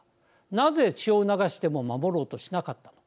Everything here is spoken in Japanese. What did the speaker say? なぜ血を流しても守ろうとしなかったのか。